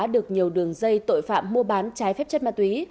được nhiều đường dây tội phạm mua bán trái phép chất ma túy